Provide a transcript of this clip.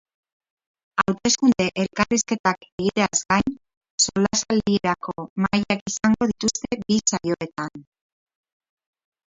Hauteskunde elkarrizketak egiteaz gain, solasaldierako mahaiak izango dituzte bi saioetan.